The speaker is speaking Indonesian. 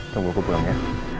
tunggu aku pulang ya